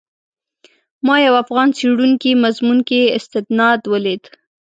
ما یو افغان څېړونکي مضمون کې استناد ولید.